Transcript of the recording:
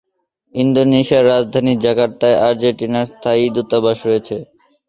ইন্দোনেশিয়ার রাজধানী জাকার্তায় আর্জেন্টিনার স্থায়ী দূতাবাস রয়েছে।